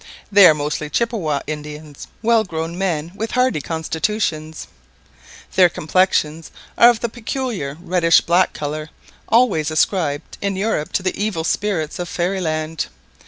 They are mostly Chippeway Indians, well grown men with hardy constitutions. Their complexions are of the peculiar reddish black colour always ascribed in Europe to the evil spirits of fairyland.